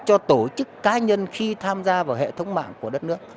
cho tổ chức cá nhân khi tham gia vào hệ thống mạng của đất nước